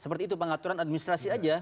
seperti itu pengaturan administrasi aja